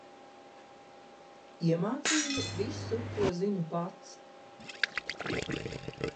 Iemācīju visu, ko zinu pats.